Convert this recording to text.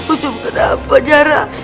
ucup kenapa zara